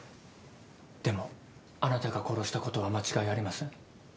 でもあなたが殺したことは間違いありません。